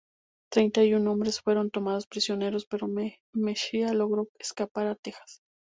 Treinta y un hombres fueron tomados prisioneros, pero Mexía logró escapar a Texas.